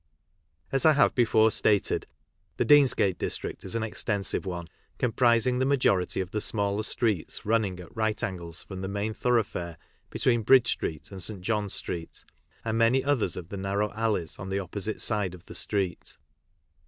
As I have bef©re stated, the Deansgate district is an extensive one, comprising the majority of the smaller streets running at right angles from the main thoroughfare between Bridge street and St. John's street, and # many others of the narrow alleys on the opposite side of the street.